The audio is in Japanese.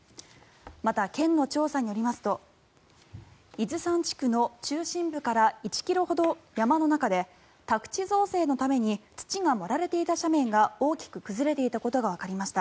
また、県の調査によりますと伊豆山地区の中心部から１ｋｍほど山の中で宅地造成のために土が盛られていた斜面が大きく崩れていたことがわかりました。